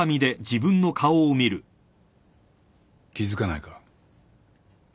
気付かないか？